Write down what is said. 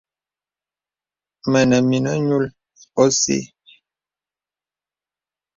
Mə̀nə̀ mə̀nə̀ ǹyùl òsì.